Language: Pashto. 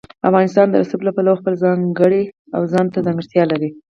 افغانستان د رسوب له پلوه خپله ځانګړې او ځانته ځانګړتیا لري.